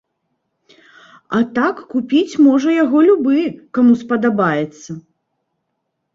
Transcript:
А так купіць можа яго любы, каму спадабаецца.